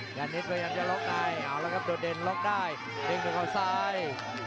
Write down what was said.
หยานินยังจะล๊อกได้โดดินล๊อกได้เด็งตรงข้างซ้าย